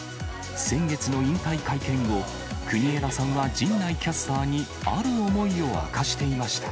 先月の引退会見後、国枝さんは陣内キャスターにある思いを明かしていました。